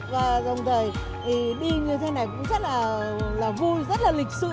và dòng đời đi như thế này cũng rất là vui rất là lịch sự